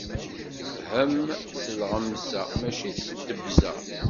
Ifhem s lɣemza, mačči s ddebza.